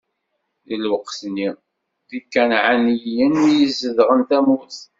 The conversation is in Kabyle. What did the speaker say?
Di lweqt-nni, d Ikanɛaniyen i yezedɣen tamurt.